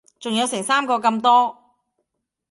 仲有成三個咁多